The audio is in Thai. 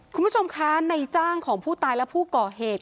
คุณผู้ชมคะในจ้างของผู้ตายและผู้ก่อเหตุ